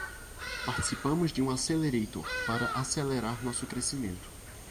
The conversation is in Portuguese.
Participamos de um accelerator para acelerar nosso crescimento.